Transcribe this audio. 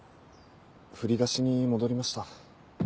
振り出しに戻りました。